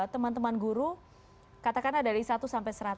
teman teman guru katakanlah dari satu sampai seratus